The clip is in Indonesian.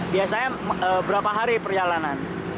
biasanya berapa hari perjalanan